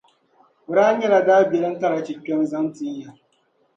O daa nyɛla daabilim karachi, kpɛm' zaŋ n-ti ya.